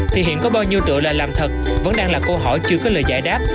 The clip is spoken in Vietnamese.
thì hiện có bao nhiêu tựa là làm thật vẫn đang là câu hỏi chưa có lời giải đáp